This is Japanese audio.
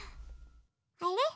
あれ？